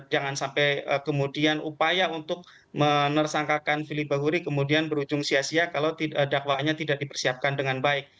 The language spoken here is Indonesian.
jangan sampai kemudian upaya untuk menersangkakan fili bahuri kemudian berujung sia sia kalau dakwaannya tidak dipersiapkan dengan baik